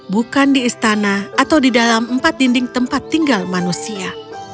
bukan di istana atau di dalam empat dinding tempat tinggal manusia